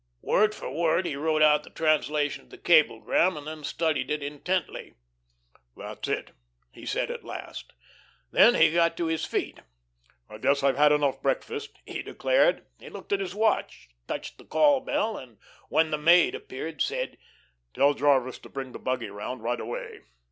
Word for word he wrote out the translation of the cablegram, and then studied it intently. "That's it," he said, at last. Then he got to his feet. "I guess I've had enough breakfast," he declared. He looked at his watch, touched the call bell, and when the maid appeared said: "Tell Jarvis to bring the buggy around right away."